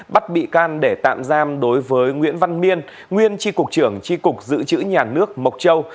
bắt bị can để tạm giam đối với nguyễn văn miên nguyên tri cục trưởng tri cục dự trữ nhà nước mộc châu